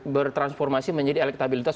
bertransformasi menjadi elektabilitas